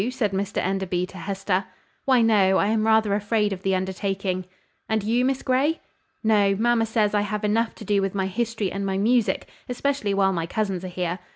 said Mr Enderby to Hester. "Why, no; I am rather afraid of the undertaking." "And you, Miss Grey?" "No. Mamma says, I have enough to do with my history and my music; especially while my cousins are here.